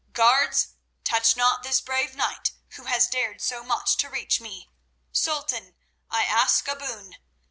"Guards, touch not this brave knight who has dared so much to reach me. Sultan, I ask a boon.